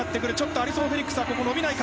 アリソン・フェリックスは伸びないか。